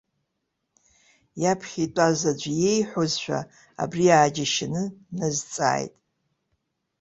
Иаԥхьа итәаз аӡәы иеиҳәозшәа абри ааџьашьаны дназҵааит.